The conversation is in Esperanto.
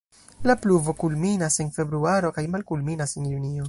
La pluvo kulminas en februaro kaj malkulminas en junio.